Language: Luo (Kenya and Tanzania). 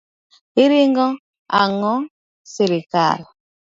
Iringo ang'o sirikal.